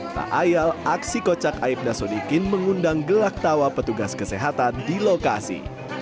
tak ayal aksi kocak aibda sodikin mengundang gelak tawa petugas kesehatan di lokasi